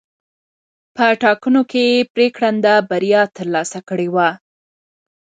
په ټاکنو کې یې پرېکنده بریا ترلاسه کړې وه.